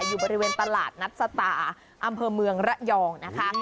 อยู่บริเวณตลาดนัดสตาอำเภอเมืองระยองนะคะ